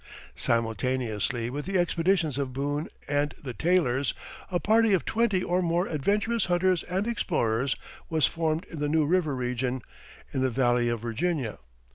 Simultaneously with the expeditions of Boone and the Taylors, a party of twenty or more adventurous hunters and explorers was formed in the New River region, in the Valley of Virginia.